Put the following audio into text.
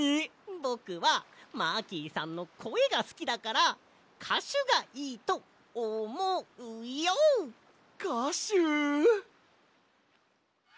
ぼくはマーキーさんのこえがすきだからかしゅがいいとおもうＹＯ！かしゅ！